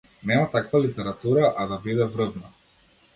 Нема таква литература, а да биде врвна.